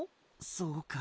そうか。